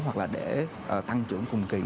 hoặc là để tăng trưởng cùng kỳ